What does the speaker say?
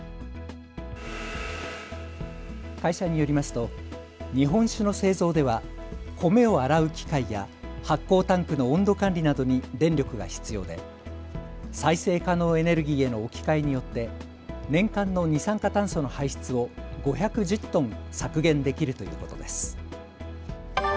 会社によりますと日本酒の製造では米を洗う機械や発酵タンクの温度管理などに電力が必要で再生可能エネルギーへの置き換えによって年間の二酸化炭素の排出を５１０トン削減できるということです。